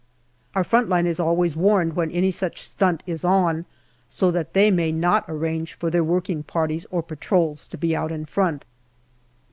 Our front line is always warned when any such stunt is on, so that they may not arrange for their working parties or patrols to be out in front.